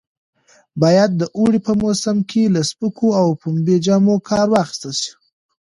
باید د اوړي په موسم کې له سپکو او پنبې جامو کار واخیستل شي.